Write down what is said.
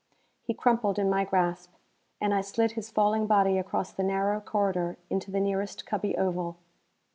He crumpled in my grasp, and I slid his falling body across the narrow corridor into the nearest cubby oval.